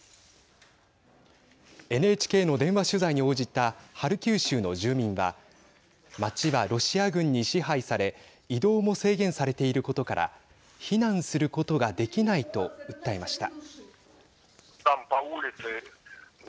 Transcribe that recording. ＮＨＫの電話取材に応じたハルキウ州の住民は町はロシア軍に支配され移動も制限されていることから避難することができないと訴えました。